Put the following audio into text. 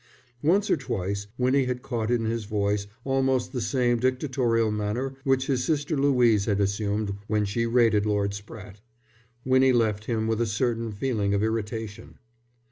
Once or twice Winnie had caught in his voice almost the same dictatorial manner which his sister Louise had assumed when she rated Lord Spratte. Winnie left him with a certain feeling of irritation.